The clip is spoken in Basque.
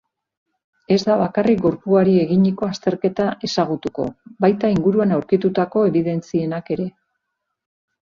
Ez da bakarrik gorpuari eginiko azterketa ezagutuko, baita inguruan aurkitutako ebidentzienak ere.